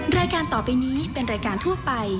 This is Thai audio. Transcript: รายการต่อไปนี้เป็นรายการทั่วไป